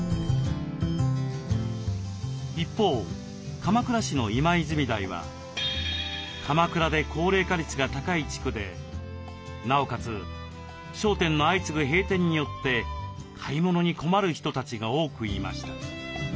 一方鎌倉市の今泉台は鎌倉で高齢化率が高い地区でなおかつ商店の相次ぐ閉店によって買い物に困る人たちが多くいました。